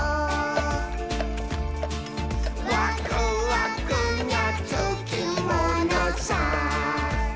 「ワクワクにゃつきものさ」